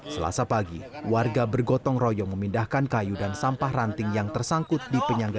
selasa pagi warga bergotong royong memindahkan kayu dan sampah ranting yang tersangkut di penyangga